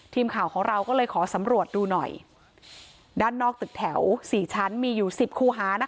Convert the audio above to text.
ทีมข่าวของเราก็เลยขอสำรวจดูหน่อยด้านนอกตึกแถวสี่ชั้นมีอยู่สิบคู่หานะคะ